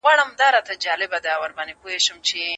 خیر محمد هیله من و چې نن به پیسې پوره شي.